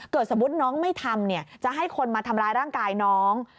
สมมุติน้องไม่ทำจะให้คนมาทำร้ายร่างกายน้อง